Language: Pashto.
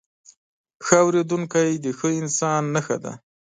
ښه اورېدونکی، د ښه انسان نښه ده.